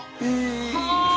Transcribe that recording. はあ！